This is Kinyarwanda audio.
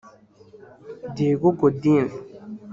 Diego Godin